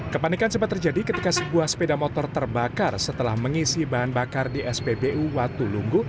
kepanikan sempat terjadi ketika sebuah sepeda motor terbakar setelah mengisi bahan bakar di spbu watulunggu